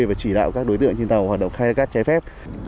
và chỉ đạo các đối tượng trên tàu hoạt động khai thác cát trái phép